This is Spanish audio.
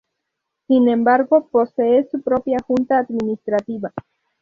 Sin embargo, posee su propia junta administrativa.